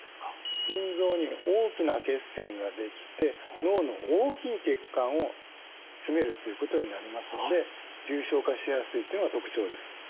腎臓に大きな血栓ができて脳の大きい血管を詰めるということになりますので重症化しやすいというのが特徴です。